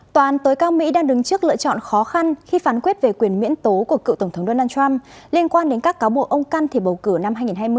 toàn tối cao mỹ đang đứng trước lựa chọn khó khăn khi phán quyết về quyền miễn tố của cựu tổng thống donald trump liên quan đến các cáo buộc ông can thiệp bầu cử năm hai nghìn hai mươi